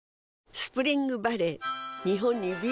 スプリングバレー